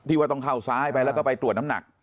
ว่าต้องเข้าซ้ายไปแล้วก็ไปตรวจน้ำหนัก